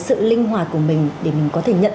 sự linh hoạt của mình để mình có thể nhận